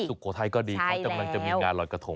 สุโขทัยก็ดีเขากำลังจะมีงานรอยกระทง